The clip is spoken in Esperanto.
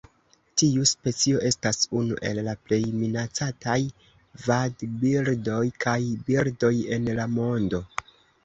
Tiu specio estas unu el la plej minacataj vadbirdoj kaj birdoj en la mondo.